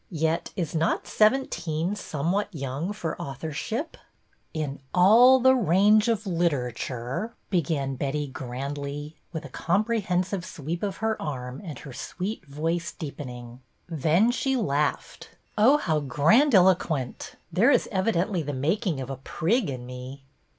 Yet is not seventeen somewhat young for authorship ?"' In all the range of literature —'" began grandly, with a comprehensive sweep of her arm, and her sweet voice deepening. Then she laughed. " Oh, how grandiloquent ! There is evidently the making of a prig in me."